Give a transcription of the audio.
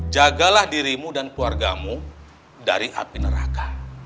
jagalah dirimu dan keluargamu dari api neraka